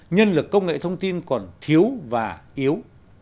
nhân lực công nghệ thông tin còn thiếu và yếu